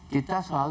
kita selalu memilih